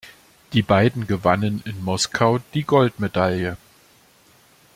Die beiden gewannen in Moskau die Goldmedaille.